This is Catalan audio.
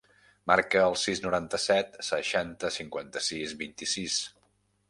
Marca el sis, noranta-set, seixanta, cinquanta-sis, vint-i-sis.